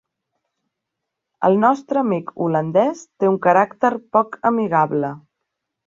El nostre amic holandès té un caràcter poc amigable.